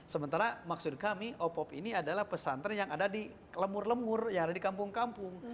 sementara maksud kami opop ini adalah pesantren yang ada di lemur lemur yang ada di kampung kampung